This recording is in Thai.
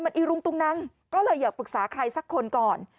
มันอีรุงตุงนังก็เลยอยากปรึกษาใครสักคนก่อน